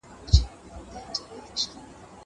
لیک وکړه!